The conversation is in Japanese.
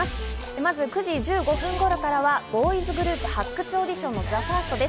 まず９時１５分頃からはボーイズグループ発掘オーディションのＴＨＥＦＩＲＳＴです。